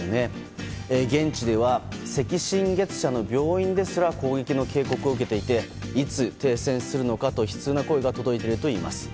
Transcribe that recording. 現地では赤新月社の病院ですら攻撃の警告を受けていていつ停戦するのかと悲痛な声が届いているといいます。